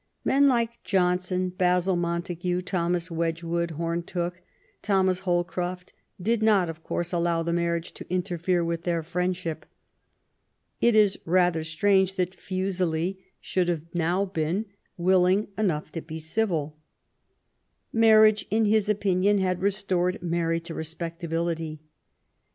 Men like Johnson, Basil Montague, Thomas Wedgwood, Home Tooke, Thomas Holcroft, did not, of course, allow the marriage to interfere with their friendship. It is rather strange that Fuseli should have now been 18 / 194 MART W0LL8T0NECBAFT GODWIN. willing enough to be civil. Marriage, in his opinion, had restored Mary to respectability.